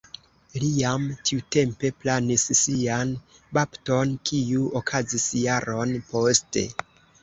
Li jam tiutempe planis sian bapton, kiu okazis jaron poste.